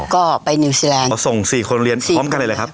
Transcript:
ก็ไปนิวซีแลนด์มาส่งสี่คนเรียนพร้อมกันเลยแหละครับ